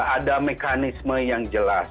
ada mekanisme yang jelas